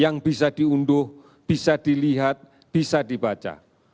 yang bisa diunduh bisa dilihat bisa dibaca